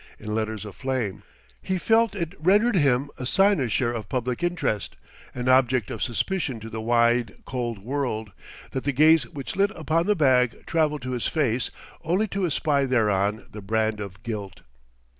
in letters of flame. He felt it rendered him a cynosure of public interest, an object of suspicion to the wide cold world, that the gaze which lit upon the bag traveled to his face only to espy thereon the brand of guilt.